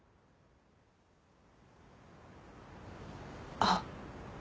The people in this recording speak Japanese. あっ。